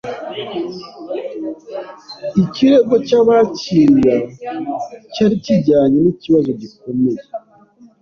Ikirego cyabakiriya cyari kijyanye nikibazo gikomeye.